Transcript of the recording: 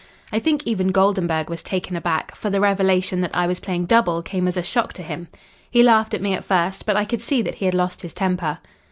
"I think even Goldenburg was taken aback, for the revelation that I was playing double came as a shock to him. He laughed at me at first, but I could see that he had lost his temper.